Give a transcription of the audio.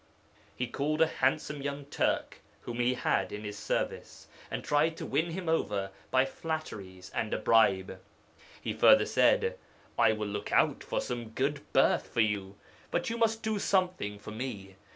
'He called a handsome young Turk whom he had in his service, and tried to win him over by flatteries and a bribe. He further said, "I will look out for some good berth for you. But you must do something for me.